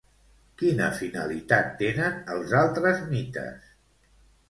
Quina finalitat tenen els altres mites?